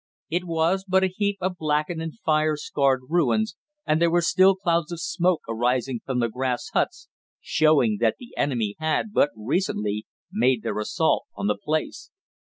It was but a heap of blackened and fire scarred ruins, and there were still clouds of smoke arising from the grass huts, showing that the enemy had but recently made their assault on the place.